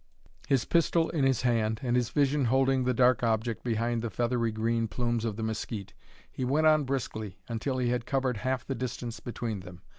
His pistol in his hand and his vision holding the dark object behind the feathery green plumes of the mesquite, he went on briskly until he had covered half the distance between them.